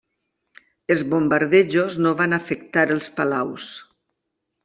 Els bombardejos no van afectar els palaus.